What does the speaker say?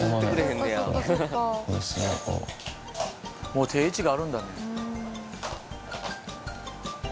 もう定位置があるんだね。